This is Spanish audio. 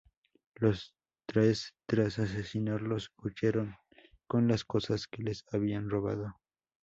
Los tres tras asesinarlos huyeron con las cosas que les habían robado.